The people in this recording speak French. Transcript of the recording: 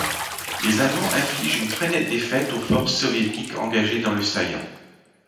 Les Allemands infligent une très nette défaite aux forces soviétiques engagées dans le saillant.